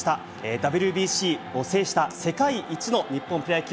ＷＢＣを制した世界一の日本プロ野球。